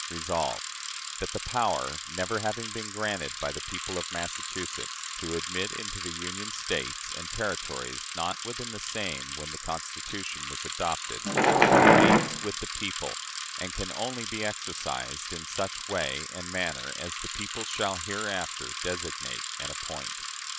Resolved, That the power, never having been granted by the people of Massachusetts, to admit into the Union States and Territories not within the same when the Constitution was adopted, _remains with the people, and can only be exercised in such way and manner as the people shall hereafter designate and appoint_."